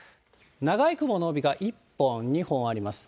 長い雲の帯が１本、２本あります。